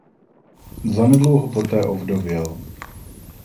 Zanedlouho poté ovdověl.